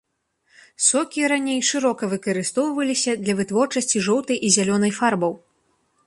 Сокі раней шырока выкарыстоўваліся для вытворчасці жоўтай і зялёнай фарбаў.